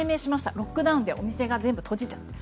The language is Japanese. ロックダウンでお店が全部閉じちゃった。